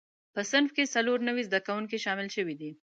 په صنف کې څلور نوي زده کوونکي شامل شوي دي.